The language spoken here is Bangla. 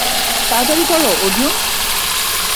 তাড়াতাড়ি কর, অর্জুন!